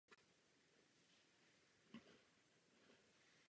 Týká se to rovněž přeshraničních transakcí.